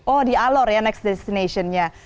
oh di alor ya next destinationnya